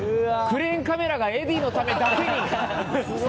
クレーンカメラがｅｄｈｉｉｉのためだけに！